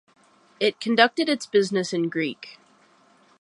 It conducted its business in Greek.